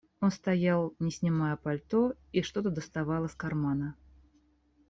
Он стоял, не снимая пальто, и что-то доставал из кармана.